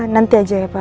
nanti aja ya pak